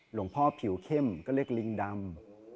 หลวงพ่อผิวเข้มก็เรียกลิงดำ